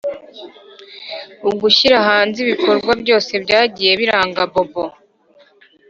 ugushyira hanze ibikorwa byose byagiye biranga bobo